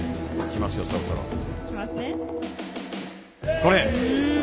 これ！